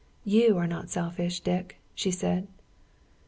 "You are not selfish, Dick," she said.